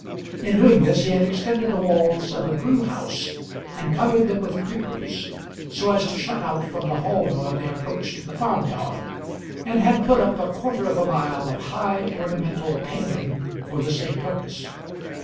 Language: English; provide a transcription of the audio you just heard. In doing this he had extended the walls of a brewhouse, and covered them with creepers, so as to shut out from the hall door the approach to the farm yard, and had put up a quarter of a mile of high ornamental paling for the same purpose.